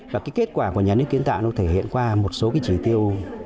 và cái kết quả của nhà nước kiến tạo nó thể hiện qua một số cái chỉ tiêu